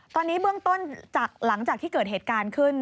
ตอนนี้เบื้องต้นจากหลังจากที่เกิดเหตุการณ์ขึ้น